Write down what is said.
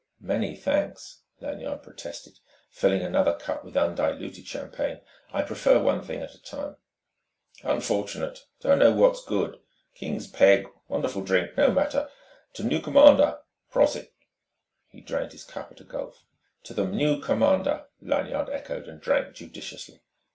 "Many thanks," Lanyard protested, filling another cup with undiluted champagne. "I prefer one thing at a time." "Unfortunate ... don't know what is good ... King's peg ... wonderful drink. No matter. To 'new commander prosit!" He drained his cup at a gulp. "To the new commander!" Lanyard echoed, and drank judiciously.